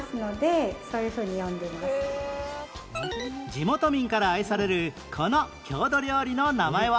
地元民から愛されるこの郷土料理の名前は？